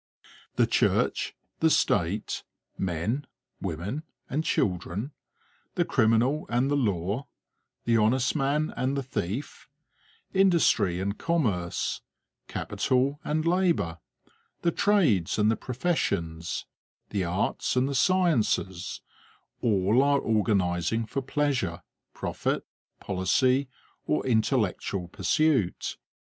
The church, the state; men, women, and children; the criminal and the law, the honest man and the thief, industry and commerce, capital and labour, the trades and the professions, the arts and the sciences all are organizing for pleasure, profit, policy, or intellectual pursuit.